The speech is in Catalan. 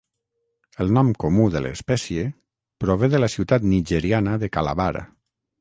El nom comú de l'espècie prové de la ciutat nigeriana de Calabar.